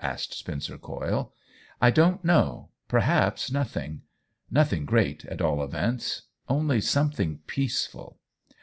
asked Spencer Coyle. " I don't know ; perhaps nothing. Noth ing great, at all events. Only something peaceful